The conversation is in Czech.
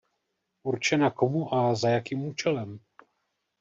Určená komu a za jakým účelem?